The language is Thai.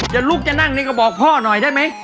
ลุกจะนั่งนี่ก็บอกพ่อหน่อยได้ไหม